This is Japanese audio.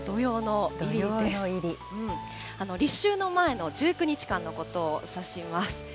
立秋の前の１９日間のことを指します。